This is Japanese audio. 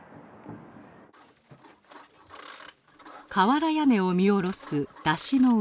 瓦屋根を見下ろす山車の上。